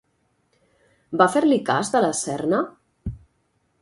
Va fer-li cas De la Serna?